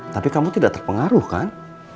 tapi kamu tidak terpengaruh kan